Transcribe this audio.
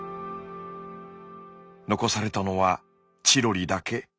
残されたのはチロリだけ。